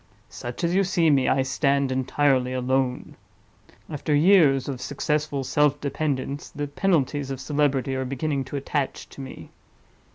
Such as you see me, I stand entirely alone. After years of successful self dependence, the penalties of celebrity are beginning to attach to me.